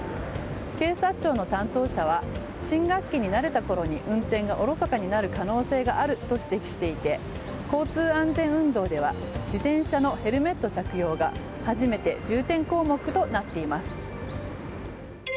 警察庁の担当者は新学期に慣れたころに運転がおろそかになる可能性があると指摘していて交通安全運動では自転車のヘルメット着用が初めて重点項目となっています。